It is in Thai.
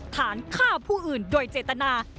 ฐานฆ่าผู้อื่นโดยเจตนา